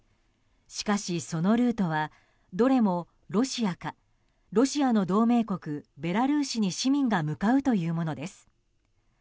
しかし、そのルートはどれもロシアかロシアの同盟国ベラルーシに市民が向かうというものです。